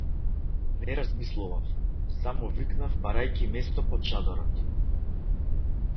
Не размислував, само викнав барајќи место под чадорот.